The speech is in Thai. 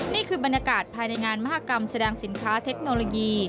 นี่คือบรรยากาศภายในงานมหากรรมแสดงสินค้าเทคโนโลยี